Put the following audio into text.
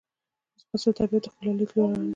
ځغاسته د طبیعت ښکلا لیدو لاره ده